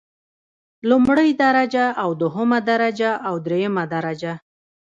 لومړۍ درجه او دوهمه درجه او دریمه درجه.